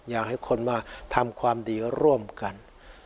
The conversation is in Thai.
อยากให้คนมาทำความดีร่วมกัน